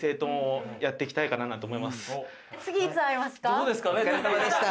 どうですかね？